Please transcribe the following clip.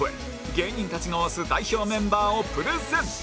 芸人たちが推す代表メンバーをプレゼン